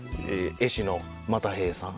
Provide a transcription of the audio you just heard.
絵師の又平さん